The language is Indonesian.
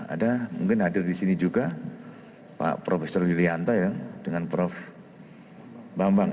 ada mungkin hadir di sini juga pak profesor yulianta ya dengan prof bambang